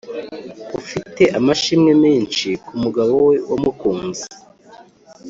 ufite amashimwe menshi ku mugabo we wamukunze